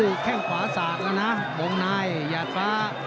แข้งขวาสากแล้วนะวงในหยาดฟ้า